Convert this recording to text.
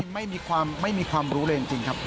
ไม่มีความรู้เลยจริงครับ